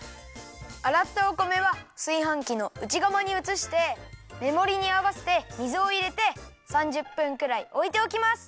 あらったお米はすいはんきのうちがまにうつしてメモリにあわせて水をいれて３０分くらいおいておきます。